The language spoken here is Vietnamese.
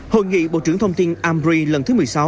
hội nghị bộ trưởng thông tin amri lần thứ một mươi sáu